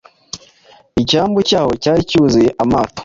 Icyambu cyaho cyari cyuzuye amato